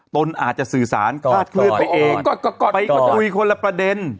ตนอาจจะสื่อสารกล้าตกลืนตัวเองไปกดกุยคนละประเด็น